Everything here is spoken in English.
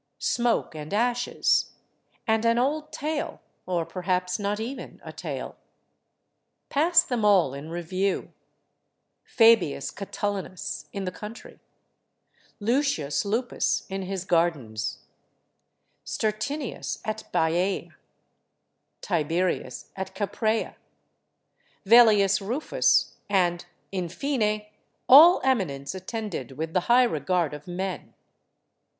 Smoke and ashes, and an old tale; or perhaps not even a tale. Pass them all in review: Fabius Catullinus in the country, Lucius Lupus in his gardens, Stertinius at Baiae, Tiberius at Capreae, Velius Rufus, and, in fine, all eminence attended with the high regard of men.